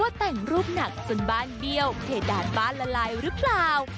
แต่งรูปหนักจนบ้านเบี้ยวเพดานบ้านละลายหรือเปล่า